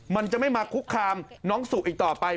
มันจะไม่มาคุกคามน้องสุอีกต่อไป